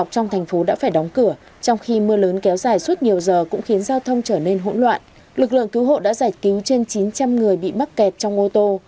trong thành phố đã phải đóng cửa trong khi mưa lớn kéo dài suốt nhiều giờ cũng khiến giao thông trở nên hỗn loạn lực lượng cứu hộ đã giải cứu trên chín trăm linh người bị mắc kẹt trong ô tô